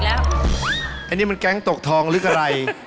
อันนี้มันแก๊งตกทองหรืออะไร